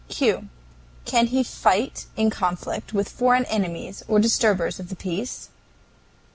Q. Can he fight in conflict with foreign enemies or disturbers of the peace?